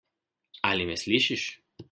Ali me slišiš?